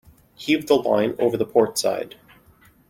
Heave the line over the port side.